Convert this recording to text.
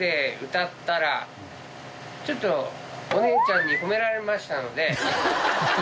ちょっとお姉ちゃんに褒められましたので。